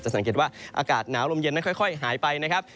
สังเกตว่าอากาศหนาวลมเย็นนั้นค่อยหายไปนะครับ